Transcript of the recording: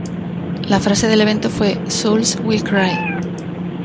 La frase del evento fue ""Souls Will Cry".